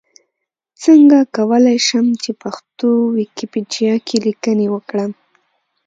څنګه کولی شم چې پښتو ويکيپېډيا کې ليکنې وکړم؟